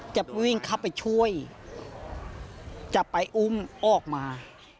จะวิ่งเข้าไปช่วยจะไปอุ้มออกมา